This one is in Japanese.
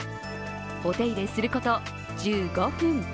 お手入れすること１５分。